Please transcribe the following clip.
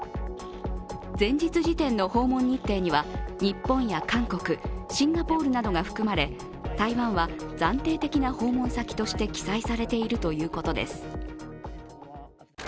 前日時点の訪問日程には日本や韓国、シンガポールなどが含まれ台湾は暫定的な訪問先として記載されているということです。